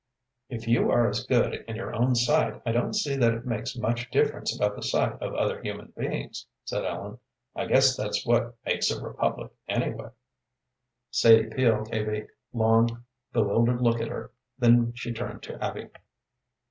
"If you are as good in your own sight, I don't see that it makes much difference about the sight of other human beings," said Ellen. "I guess that's what makes a republic, anyway." Sadie Peel gave a long, bewildered look at her, then she turned to Abby.